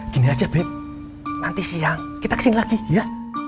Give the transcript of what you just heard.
gini aja bip nanti siang kita kesini lagi ya